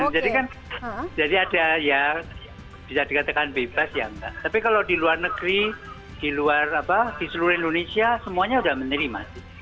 jadi kan jadi ada ya bisa dikatakan bebas ya tapi kalau di luar negeri di seluruh indonesia semuanya sudah menerima